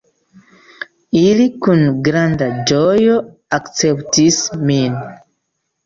Ili kun granda ĝojo akceptis min.